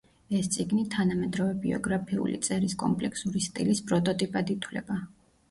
ეს წიგნი თანამედროვე ბიოგრაფიული წერის კომპლექსური სტილის პროტოტიპად ითვლება.